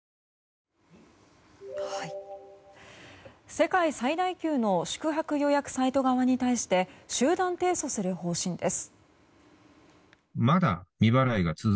世界最大級の宿泊予約サイト側に対して集団提訴する方針です。